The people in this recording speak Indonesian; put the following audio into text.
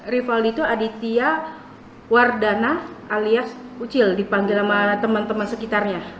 rivaldi itu aditya wardana alias ucil dipanggil sama teman teman sekitarnya